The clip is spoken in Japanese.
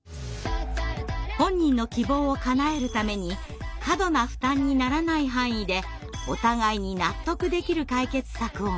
本人の希望をかなえるために過度な負担にならない範囲でお互いに納得できる解決策を見つける。